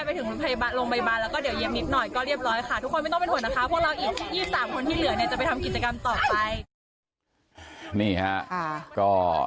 พวกเราอีก๒๓คนที่เหลือจะไปทำกิจกรรมต่อไป